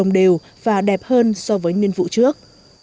đẹp hơn so với nguyên vụ trước